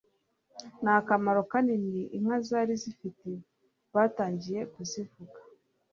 n'akamaro kanini inka zari zifite, batangiye kuzivuga